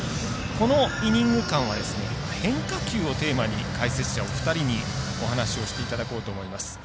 このイニング間は変化球をテーマに解説者お二人にお話をしていただこうと思います。